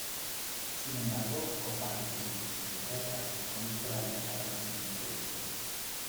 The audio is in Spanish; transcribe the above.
Sin embargo compaginó su presencia teatral con esporádicas apariciones en televisión.